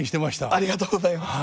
ありがとうございます。